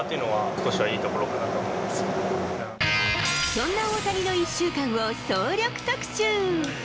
そんな大谷の１週間を総力特集。